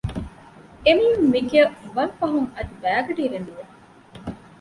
އެ މީހުން މިގެއަށް ވަންފަހުން އަދި ބައިގަޑީއިރެއް ނުވެ